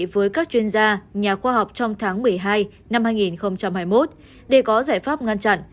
với các chuyên gia nhà khoa học trong tháng một mươi hai năm hai nghìn hai mươi một để có giải pháp ngăn chặn